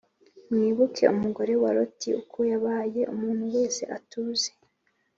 Mwibuke umugore wa Loti uko yabaye. Umuntu wese atuze